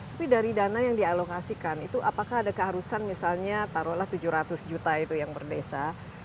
tapi dari dana yang dialokasikan itu apakah ada keharusan misalnya taruhlah tujuh ratus juta itu yang per desa